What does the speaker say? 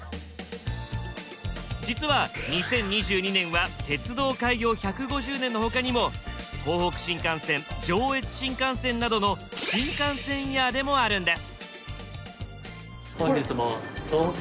実は２０２２年は鉄道開業１５０年の他にも東北新幹線上越新幹線などの新幹線イヤーでもあるんです。